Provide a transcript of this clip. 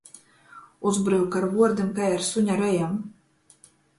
Uzbryuk ar vuordim kai ar suņa rejom.